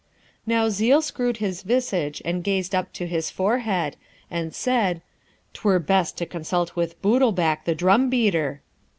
Now, Zeel screwed his visage and gazed up into his forehead, and said, ''Twere best to consult with Bootlbac, the drum beater.'